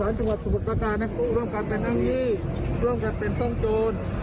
ร่วมกันเป็นอ้างยี่ร่วมกันเป็นฟ่องโจร